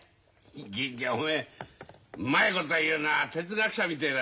銀次おめえうまいこと言うな哲学者みてえだ。